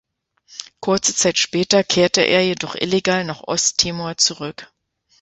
Kurze Zeit später kehrte er jedoch illegal nach Osttimor zurück.